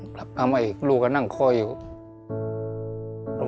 กลับมาอีกลูกก็นั่งคอยอยู่